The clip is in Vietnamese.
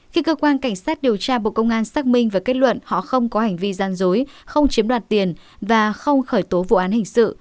khi cơ quan cảnh sát điều tra bộ công an xác minh và kết luận họ không có hành vi gian dối không chiếm đoạt tiền và không khởi tố vụ án hình sự